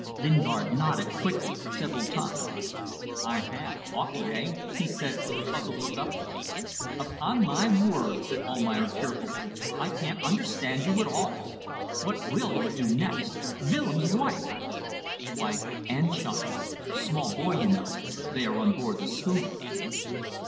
Lingard nodded, quickly, several times. "I have. Awkward. Hey?" he said, with a puzzled look upwards. "Upon my word," said Almayer, tearfully. "I can't understand you at all. What will you do next! Willems' wife!" "Wife and child. Small boy, you know. They are on board the schooner."